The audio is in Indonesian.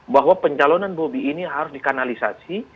bahwa pencalonan bobi ini harus dikanalisasi